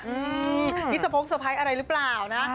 อื้อนี่สมมติสวัสดิ์อะไรหรือเปล่านะ